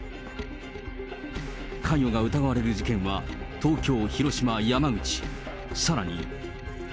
関与が疑われる事件は、東京、広島、山口、さらに。